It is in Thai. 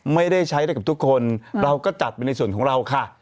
ไม่ได้ใช้ได้กับทุกคนเราก็จัดเป็นในส่วนของเราค่ะ